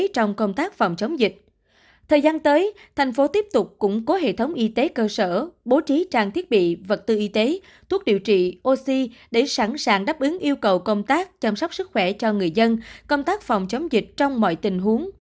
trong thời gian tới thành phố tiếp tục củng cố hệ thống y tế cơ sở bố trí trang thiết bị vật tư y tế thuốc điều trị oxy để sẵn sàng đáp ứng yêu cầu công tác chăm sóc sức khỏe cho người dân công tác phòng chống dịch trong mọi tình huống